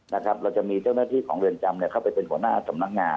เราจะมีเจ้าหน้าที่ของเรือนจำเข้าไปเป็นหัวหน้าสำนักงาน